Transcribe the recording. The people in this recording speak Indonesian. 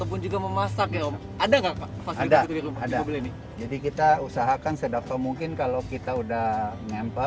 perhatian lokal dengan film bernama